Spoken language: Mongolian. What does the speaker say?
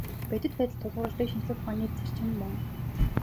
Бодит байдалд тулгуурладаг нь шинжлэх ухааны зарчим мөн.